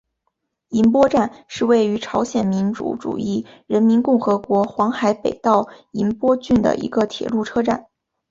银波站是位于朝鲜民主主义人民共和国黄海北道银波郡的一个铁路车站。